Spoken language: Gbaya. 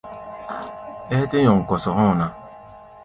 Ɛ́ɛ́ tɛ́ nyɔŋ kɔsɔ hɔ̧́ɔ̧ ná.